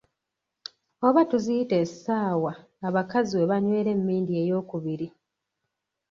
Oba tuziyita essaawa abakazi webanywera emmindi ey'okubiri.